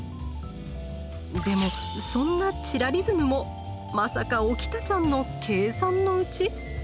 でもそんなチラリズムもまさかおきたちゃんの計算のうち？